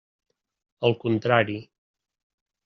Al contrari.